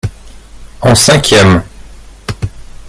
En cinquième.